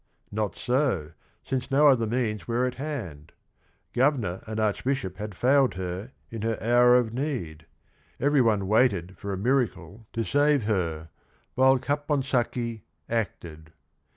Not so, since no other means were at hand. Governor and Archbishop had failed her in her hour of need; every one waited for a miracle to 10 146 THE RING AND THE BOOK save her, while Caponsacchi acted.